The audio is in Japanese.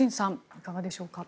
いかがでしょう。